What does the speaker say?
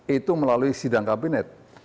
itu melalui sidang kabinet